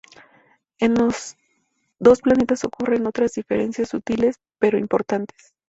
En los dos planetas ocurren otras diferencias sutiles, pero importantes.